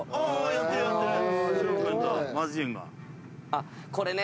あっこれね。